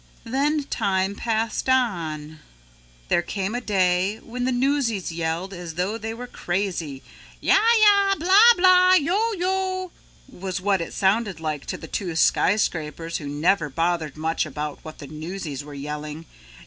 Then time passed on. There came a day when the newsies yelled as though they were crazy. "Yah yah, blah blah, yoh yoh," was what it sounded like to the two skyscrapers who never bothered much about what the newsies were yelling.